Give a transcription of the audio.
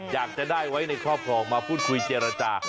อยากจะได้ไว้ในครอบครองมาพูดคุยเจรจา